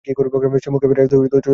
সে মুখ ফিরাইয়া তর্জনস্বরে কহিল, যাও!